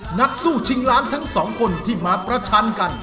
นักสู้ชิงล้านทั้งสองคนที่มาประชันกัน